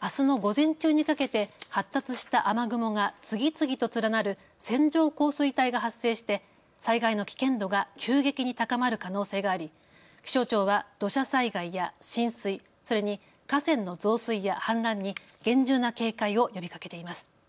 あすの午前中にかけて発達した雨雲が次々と連なる線状降水帯が発生して災害の危険度が急激に高まる可能性があり気象庁は土砂災害や浸水、それに河川の増水や氾濫に厳重な警戒を呼びかけています。